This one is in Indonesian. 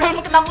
aku hug peluru